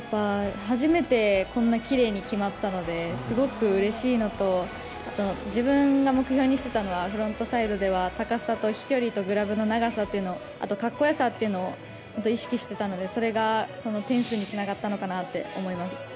初めてこんなにきれいに決まったので、すごくうれしいのと、自分が目標にしていたのはフロントサイドでは高さと飛距離とグラブの長さ、あとかっこよさを意識していたので、それがその点数につながったのかなと思います。